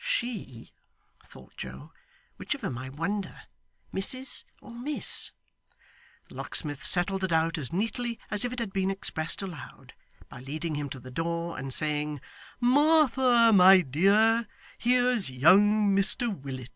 'She,' thought Joe. 'Which of 'em I wonder Mrs or Miss?' The locksmith settled the doubt as neatly as if it had been expressed aloud, by leading him to the door, and saying, 'Martha, my dear, here's young Mr Willet.